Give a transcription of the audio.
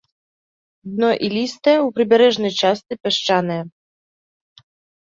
Дно ілістае, у прыбярэжнай частцы пясчанае.